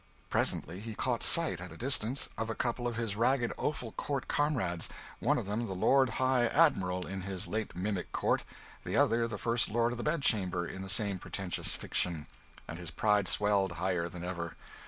Presently he caught sight, at a distance, of a couple of his ragged Offal Court comrades one of them the lord high admiral in his late mimic court, the other the first lord of the bedchamber in the same pretentious fiction; and his pride swelled higher than ever.